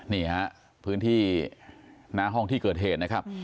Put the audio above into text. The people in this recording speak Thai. นี่ฮะพื้นที่หน้าห้องที่เกิดเหตุนะครับ